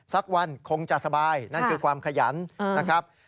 สักวันคงจะสบายนั่นคือความขยันนะครับ